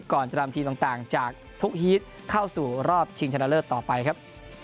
ก่อนจะนำทีมต่างจากทุกฮีตเข้าสู่รอบชิงชนะเลิศต่อไปครับ